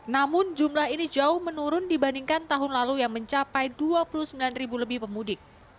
namun jumlah ini jauh menurun dibandingkan tahun lalu yang mencapai dua puluh sembilan ribu lebih pemudik